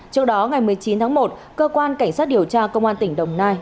trước đó ngày một mươi chín tháng một cơ quan cảnh sát điều tra công an tỉnh đồng nai